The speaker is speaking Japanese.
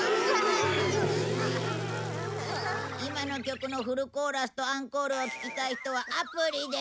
今の曲のフルコーラスとアンコールを聴きたい人はアプリで！